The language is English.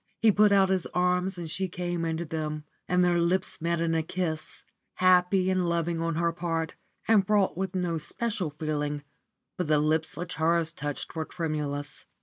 He put out his arms and she came into them, and their lips met in a kiss, happy and loving on her part, and fraught with no special feeling, but the lips which hers touched were tremulous.